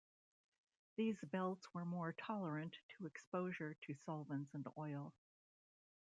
These belts were more tolerant to exposure to solvents and oil.